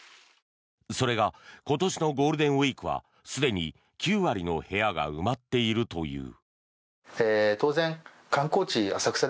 それが今年のゴールデンウィークはすでに９割の部屋が埋まっているという。